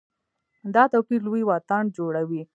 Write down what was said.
دا توپیر لوی واټن جوړوي.